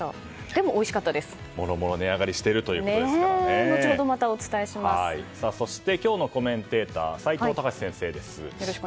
もろもろ値上がりしているということですからそして、今日のコメンテーター齋藤孝先生です。